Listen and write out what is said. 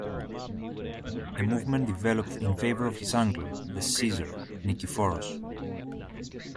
A movement developed in favor of his uncle, the "Caesar" Nikephoros.